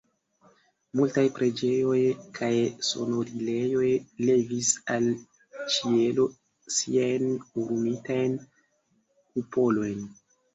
Multaj preĝejoj kaj sonorilejoj levis al ĉielo siajn orumitajn kupolojn.